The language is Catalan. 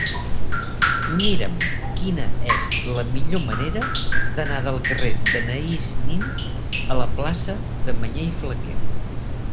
Mira'm quina és la millor manera d'anar del carrer d'Anaïs Nin a la plaça de Mañé i Flaquer.